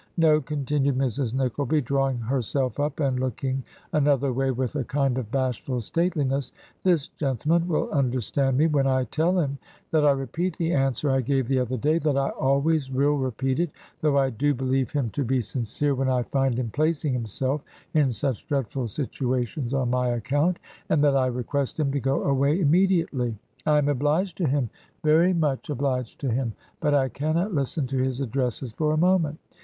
No,' continued Mrs. Nickleby, drawing herself up and looking another way with a kind of basbiul stateliness, 'this gentleman wiU understand me when I tell him that I repeat the answer I gave the other day — ^that I always will repeat it, though I do be lieve him to be sincere when I find him placing himself in such dreadful situations on my account — ^and that I request him to go away immediately. ... I am obliged to him, very much obliged to him, but I cannot listen to his addresses for a moment.